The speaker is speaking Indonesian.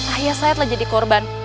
ayah saya telah jadi korban